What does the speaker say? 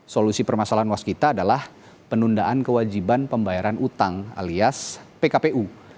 solusi permasalahan waskita adalah penundaan kewajiban pembayaran utang alias pkpu